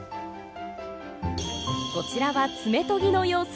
こちらは爪とぎの様子。